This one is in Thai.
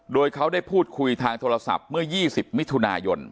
โดยเขาได้พูดคุยทางโทรศัพท์เมื่อ๒๐มิถุนายน